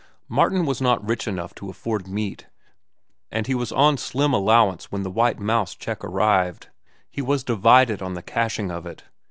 Martin was not yet rich enough to afford meat, and he was on slim allowance when the White Mouse check arrived. He was divided on the cashing of it.